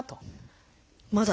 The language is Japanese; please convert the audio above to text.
まだ？